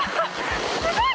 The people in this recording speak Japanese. すごい！